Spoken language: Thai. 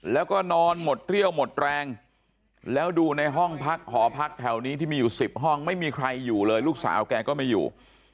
แล้วก็นอนหมดเรี่ยวหมดแรงแล้วดูในห้องพักหอพักแถวนี้ที่มีอยู่๑๐ห้องไม่มีใครอยู่เลยลูกสาวแกก็ไม่อยู่